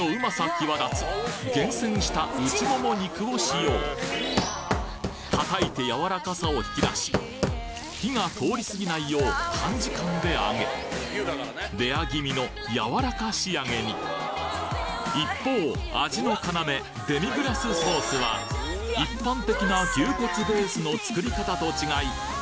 際立つ厳選したうちもも肉を使用叩いてやわらかさを引き出し火が通り過ぎないよう短時間で揚げレア気味のやわらか仕上げに一方味の要デミグラスソースは一般的な牛骨ベースの作り方と違い